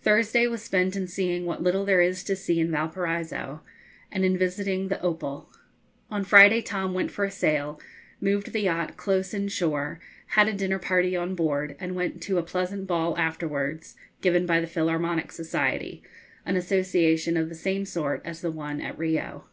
Thursday was spent in seeing what little there is to see in Valparaiso, and in visiting the 'Opal.' On Friday Tom went for a sail, moved the yacht close inshore, had a dinner party on board, and went to a pleasant ball afterwards, given by the Philharmonic Society, an association of the same sort as the one at Rio.